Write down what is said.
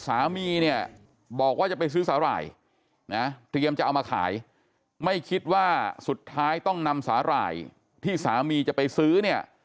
สามีเนี่ยบอกว่าจะไปซื้อสาหร่ายนะเตรียมจะเอามาขายไม่คิดว่าสุดท้ายต้องนำสาหร่ายที่สามีจะไปซื้อเนี่ย